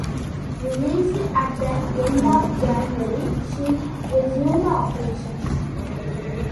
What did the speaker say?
Released at the end of January, she resumed operations.